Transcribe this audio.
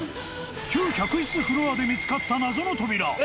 旧客室フロアで見つかった謎の扉。